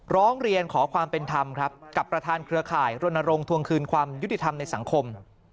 ร้องเรียนขอความเป็นธรรมครับกับประธานเครือข่ายรณรงควงคืนความยุติธรรมในสังคม